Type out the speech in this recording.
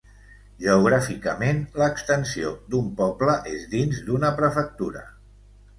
Geogràficament, l'extensió d'un poble és dins d'una prefectura.